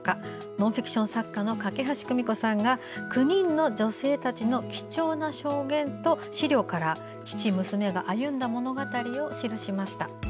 ノンフィクション作家の梯久美子さんが９人の女性たちの貴重な証言と資料から父娘が歩んだ物語を記しました。